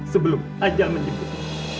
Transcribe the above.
sebelum aja menyebut